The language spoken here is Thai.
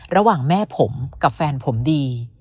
ระหว่างแม่ผมกับแฟนผมดี